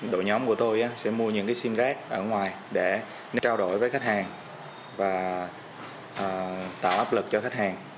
đội nhóm của tôi sẽ mua những cái sim rác ở ngoài để trao đổi với khách hàng và tạo áp lực cho khách hàng